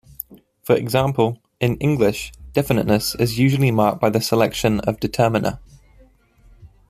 For example, in English definiteness is usually marked by the selection of determiner.